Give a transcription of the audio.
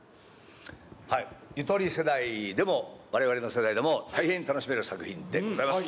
ゆとり世代でもわれわれの世代でも大変楽しめる作品でございます。